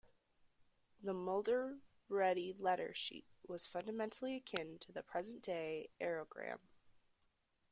The Mulready letter sheet was fundamentally akin to the present-day aerogram.